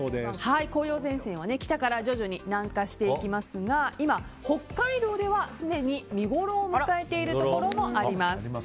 紅葉前線は北から徐々に南下していきますが今、北海道ではすでに見ごろを迎えているところもあります。